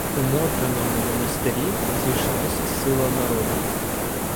У Мотриному монастирі зійшлася сила народу.